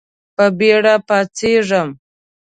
په بېړه پاڅېږم .